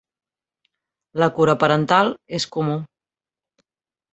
La cura parental és comú.